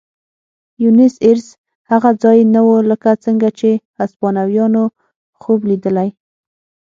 بونیس ایرس هغه ځای نه و لکه څنګه چې هسپانویانو خوب لیدلی.